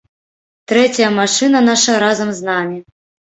Трэцяя машына наша разам з намі.